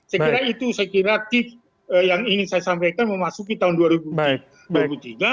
saya kira itu saya kira tips yang ingin saya sampaikan memasuki tahun dua ribu dua puluh tiga